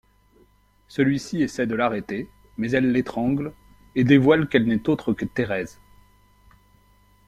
Celui-ci essaie de l’arrêter mais elle l’étrangle et dévoile qu’elle n’est autre que Thérèse.